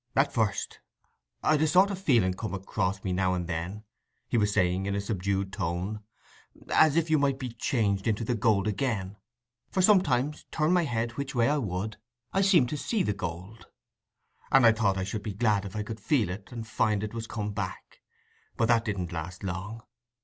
"At first, I'd a sort o' feeling come across me now and then," he was saying in a subdued tone, "as if you might be changed into the gold again; for sometimes, turn my head which way I would, I seemed to see the gold; and I thought I should be glad if I could feel it, and find it was come back. But that didn't last long.